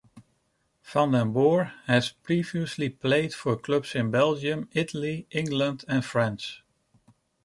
Vanden Borre has previously played for clubs in Belgium, Italy, England and France.